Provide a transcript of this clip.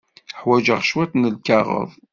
Ḥwajeɣ cwiṭ n lkaɣeḍ.